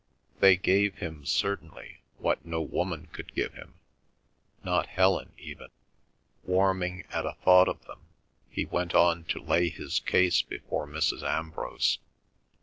They gave him, certainly, what no woman could give him, not Helen even. Warming at the thought of them, he went on to lay his case before Mrs. Ambrose.